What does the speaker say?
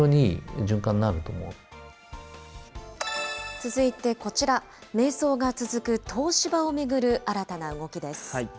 続いてこちら、迷走が続く東芝を巡る新たな動きです。